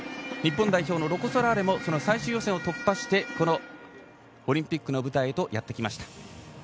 日本代表ロコ・ソラーレも最終予選を突破してオリンピックの舞台へとやってきました。